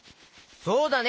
そうだね！